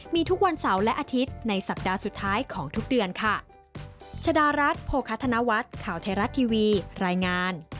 มีทุกวันเสาร์และอาทิตย์ในสัปดาห์สุดท้ายของทุกเดือนค่ะ